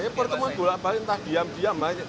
ya pertemuan pulak balik entah diam diam banyak